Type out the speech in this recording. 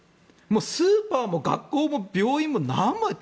スーパーも学校も病院もなんもない。